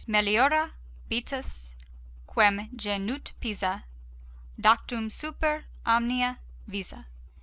MELIORA BEATUS, QUEM GENUIT PISA, DOCTUM SUPER OMNIA VISA.